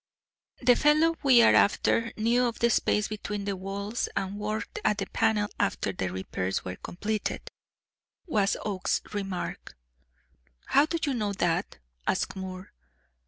"The fellow we are after knew of the space between the walls and worked at the panel after the repairs were completed," was Oakes's remark. "How do you know that?" asked Moore.